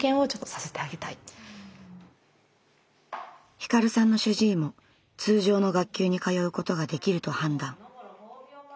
ひかるさんの主治医も通常の学級に通うことができると判断。